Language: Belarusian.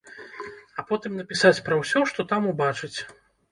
А потым напісаць пра ўсё, што там убачыць.